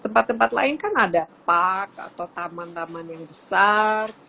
tempat tempat lain kan ada park atau taman taman yang besar